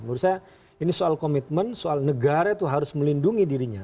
menurut saya ini soal komitmen soal negara itu harus melindungi dirinya